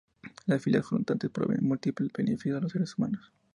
Las islas flotantes proveen múltiples beneficios a los seres humanos.